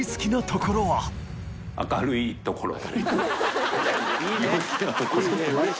明るいところ。